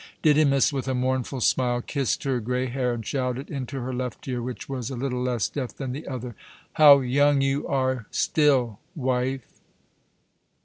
'" Didymus, with a mournful smile, kissed her grey hair and shouted into her left ear, which was a little less deaf than the other: "How young you are still, wife!"